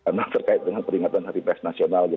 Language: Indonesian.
karena terkait dengan peringatan hari pers nasional